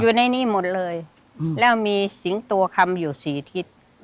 อยู่ในนี้หมดเลยแล้วมีสิงตัวคำอยู่สี่ทิศ